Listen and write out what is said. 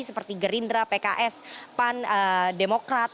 seperti gerindra pks pan demokrat